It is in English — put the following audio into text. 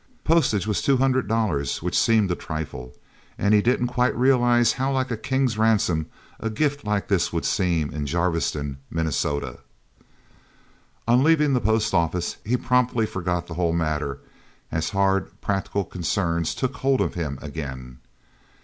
Postage was two hundred dollars, which seemed a trifle. And he didn't quite realize how like a king's ransom a gift like this would seem in Jarviston, Minnesota. On leaving the post office, he promptly forgot the whole matter, as hard, practical concerns took hold of him, again.